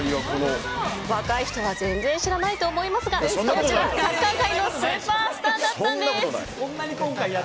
若い人は全然知らないと思いますが昔はサッカー界のスーパースターだったんです。